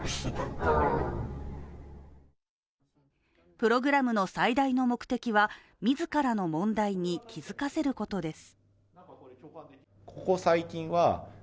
プログラムの最大の目的は自らの問題に気づかせることです。